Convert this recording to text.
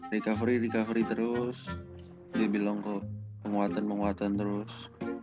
recovery recovery terus dia bilang kok penguatan penguatan terus